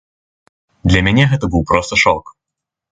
Для мяне гэта быў проста шок.